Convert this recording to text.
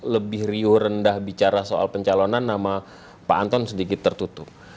lebih riuh rendah bicara soal pencalonan nama pak anton sedikit tertutup